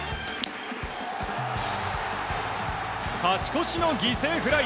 勝ち越しの犠牲フライ。